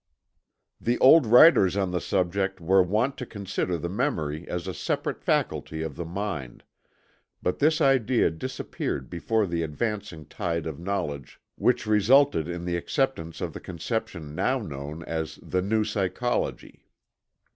The old writers on the subject were wont to consider the memory as a separate faculty of the mind, but this idea disappeared before the advancing tide of knowledge which resulted in the acceptance of the conception now known as The New Psychology.